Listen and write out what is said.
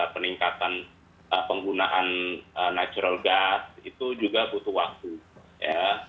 peningkatan penggunaan natural gas itu juga butuh waktu ya